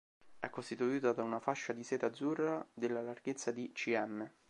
È costituita da una fascia di seta azzurra, della larghezza di cm.